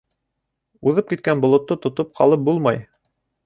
Уҙып киткән болотто тотоп ҡалып булмай.